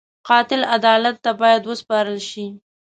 قاتل عدالت ته باید وسپارل شي